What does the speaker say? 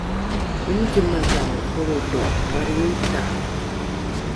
omiki madhao holrolo valriota